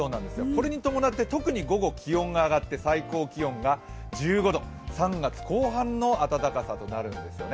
これに伴って、特に午後気温が上がって最高気温が１５度、３月後半の暖かさとなるんですよね